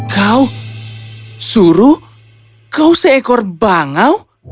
kau suruh kau seekor bangau